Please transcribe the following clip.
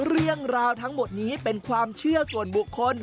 เรื่องราวทั้งหมดนี้เป็นความเชื่อส่วนบุคคล